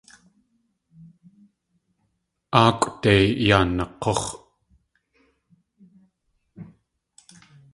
Áakʼwde yaa nak̲úx̲.